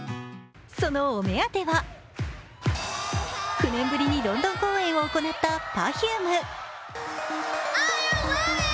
そのお目当ては９年ぶりにロンドン公演を行ったパヒューム。